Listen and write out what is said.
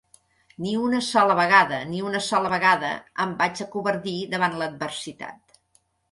Ni una sola vegada, ni una sola vegada, em vaig acovardir davant l'adversitat.